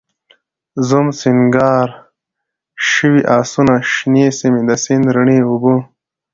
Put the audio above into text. زوم، سینګار شوي آسونه، شنې سیمې، د سیند رڼې اوبه